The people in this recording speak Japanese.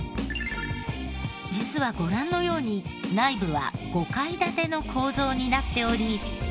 実はご覧のように内部は５階建ての構造になっており。